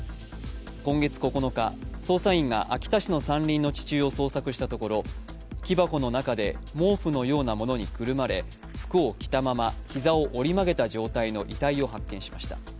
今月９日、捜査員が秋田市の山林の地中を捜索したところ木箱の中で毛布のようなものにくるまれ、服を着たまま、膝を折り曲げた状態の遺体を発見しました。